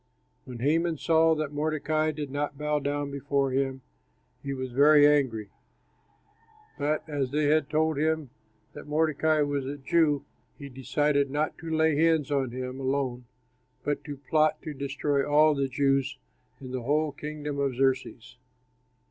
When Haman saw that Mordecai did not bow down before him, he was very angry; but as they had told him that Mordecai was a Jew, he decided not to lay hands on him alone but to plot to destroy all the Jews in the whole kingdom of Xerxes.